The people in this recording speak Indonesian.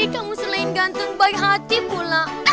kamu selain gantung baik hati pula